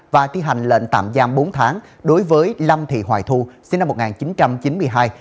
và thi hành lệnh tạm giam bốn tháng đối với lâm thị hoài thu sinh năm một nghìn chín trăm chín mươi hai